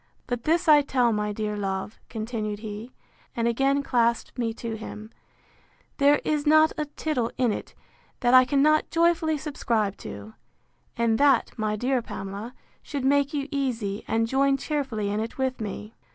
But this I tell my dear love, continued he, and again clasped me to him, there is not a tittle in it that I cannot joyfully subscribe to: And that, my dear Pamela, should make you easy, and join cheerfully in it with me.